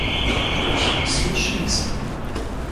Ich muss hier schließen.